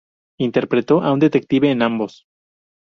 Interpretó a un detective en ambos.